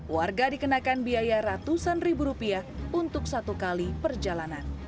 warga dikenakan biaya ratusan ribu rupiah untuk satu kali perjalanan